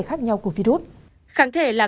khác nhau của virus khẳng thể là